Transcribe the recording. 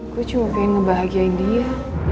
gue cuma pengen ngebahagiain dia